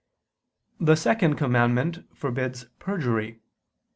The second commandment forbids perjury.